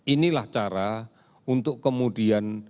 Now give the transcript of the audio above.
inilah cara untuk kemudian